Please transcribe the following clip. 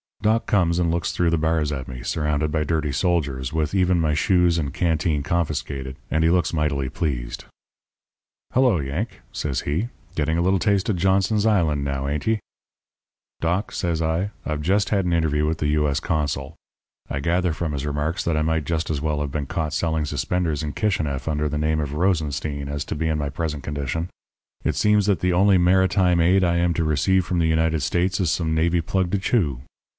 "Doc comes and looks through the bars at me, surrounded by dirty soldiers, with even my shoes and canteen confiscated, and he looks mightily pleased. "'Hello, Yank,' says he, 'getting a little taste of Johnson's Island, now, ain't ye?' "'Doc,' says I, 'I've just had an interview with the U.S. consul. I gather from his remarks that I might just as well have been caught selling suspenders in Kishineff under the name of Rosenstein as to be in my present condition. It seems that the only maritime aid I am to receive from the United States is some navy plug to chew.